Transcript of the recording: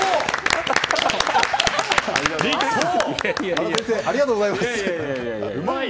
原先生、ありがとうございます。